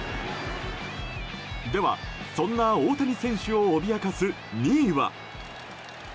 では、そんな大谷選手を脅かす２位は？